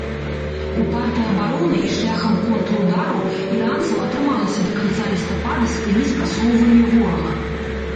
Упартай абаронай і шляхам контрудару іранцам атрымалася да канца лістапада спыніць прасоўванне ворага.